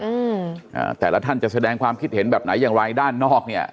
อืมอ่าแต่ละท่านจะแสดงความคิดเห็นแบบไหนอย่างไรด้านนอกเนี้ย